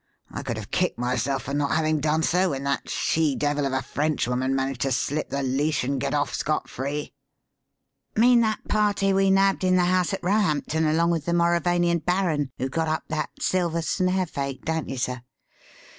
I could have kicked myself for not having done so when that she devil of a Frenchwoman managed to slip the leash and get off scot free." "Mean that party we nabbed in the house at Roehampton along with the Mauravanian baron who got up that Silver Snare fake, don't you, sir?